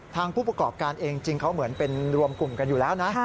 ผู้ประกอบการเองจริงเขาเหมือนเป็นรวมกลุ่มกันอยู่แล้วนะ